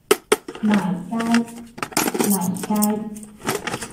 坭街、泥街